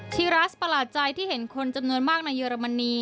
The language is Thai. ีรัสประหลาดใจที่เห็นคนจำนวนมากในเยอรมนี